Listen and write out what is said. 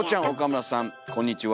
こんにちは！